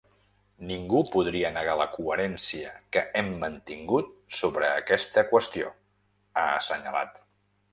Ningú podria negar la coherència que hem mantingut sobre aquesta qüestió, ha assenyalat.